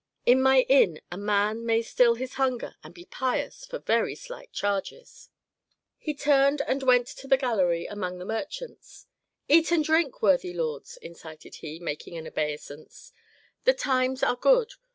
In my inn a man may still his hunger and be pious for very slight charges." He turned and went to the gallery among the merchants. "Eat and drink, worthy lords," incited he, making obeisance. "The times are good.